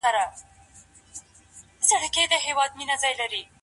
خپلو کارونو ته نړیوال څېړندود ورکړئ.